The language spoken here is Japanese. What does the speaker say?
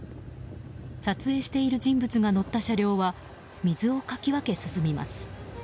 撮影している人物が乗った車両は水をかき分け進みます。